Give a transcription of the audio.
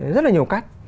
rất là nhiều cách